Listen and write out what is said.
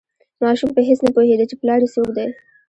ماشوم په هیڅ نه پوهیده چې پلار یې څوک دی.